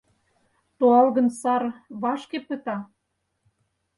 Туалгын сар вашке пыта?